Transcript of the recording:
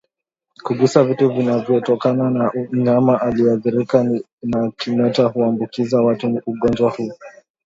Kugusa vitu vinavyotokana na mnyama aliyeathirika na kimeta huambukiza watu ugonjwa huu